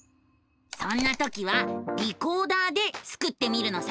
そんな時は「リコーダー」でスクってみるのさ！